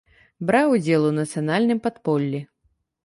Браў удзел у нацыянальным падполлі.